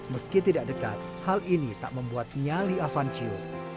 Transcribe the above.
meski tidak dekat hal ini tak membuat nyali avancio